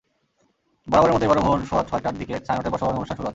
বরাবরের মতো এবারও ভোর সোয়া ছয়টার দিকে ছায়ানটের বর্ষবরণের অনুষ্ঠান শুরু হয়।